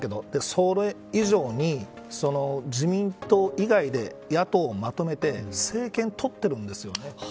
それ以上に自民党以外で野党をまとめて政権を取っているんですよね。